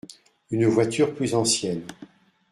Une voiture plus ancienne.